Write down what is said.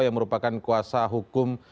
yang merupakan kuasa hukum